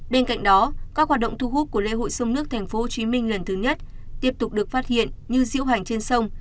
bên cạnh đó các hoạt động thu hút của lễ hội sông nước tp hcm lần thứ nhất tiếp tục được phát hiện như diễu hành trên sông